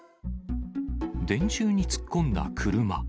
電柱に突っ込んだ車。